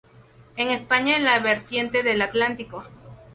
En España en la vertiente del Atlántico.